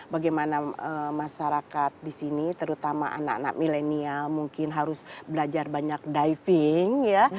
bagaimana masyarakat di sini terutama anak anak milenial mungkin harus belajar banyak diving ya